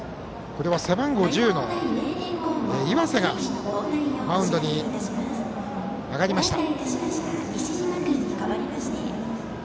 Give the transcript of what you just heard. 背番号１０の岩瀬がマウンドに上がりました。